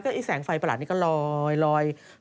ไอ้แสงไฟประหลาดนี้ก็ลอย